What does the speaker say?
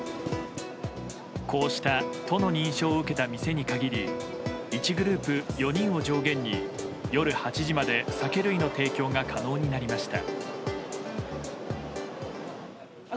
こうした都の認証を受けた店に限り１グループ４人を上限に夜８時まで酒類の提供が可能になりました。